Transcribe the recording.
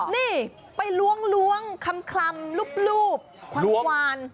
นี่ไปล้วงคลำรูปความหวาน